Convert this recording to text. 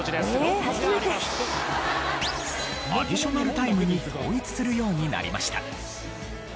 アディショナルタイムに統一するようになりました。